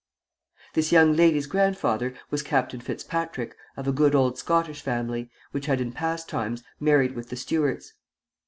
This young lady's grandfather was Captain Fitzpatrick, of a good old Scottish family, which had in past times married with the Stuarts.